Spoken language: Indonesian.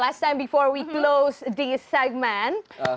mungkin sebelum kita menutup segmen ini